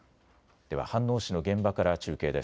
では飯能市の現場から中継です。